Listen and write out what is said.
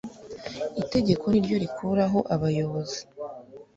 itegeko niryo rikuraho abayobozi